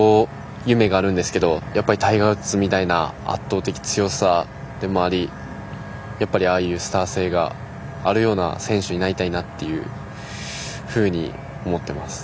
夢があるんですけど、やっぱりタイガー・ウッズみたいな圧倒的強さでもありああいうスター性があるような選手になりたいなっていうふうに思っています。